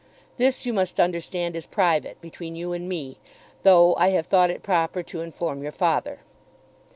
This you must understand is private between you and me, though I have thought it proper to inform your father.